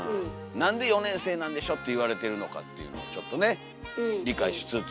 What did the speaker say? なんで「４年生なんでしょ」って言われてるのかっていうのをちょっとね理解しつつ。